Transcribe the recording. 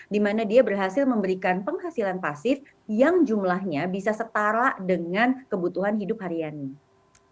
dimana dia berhasil memberikan penghasilan pasif yang jumlahnya bisa setara dengan kebutuhan hidup hariannya